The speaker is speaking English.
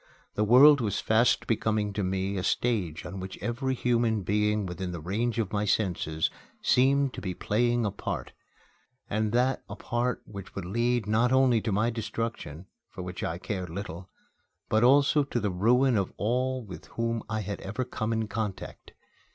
The world was fast becoming to me a stage on which every human being within the range of my senses seemed to be playing a part, and that a part which would lead not only to my destruction (for which I cared little), but also to the ruin of all with whom I had ever come in contact.